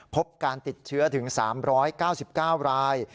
พบการติดเชื้อถึง๓๙๙ราย